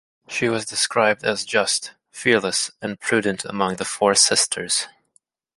She was described as just, fearless and prudent among the four sisters.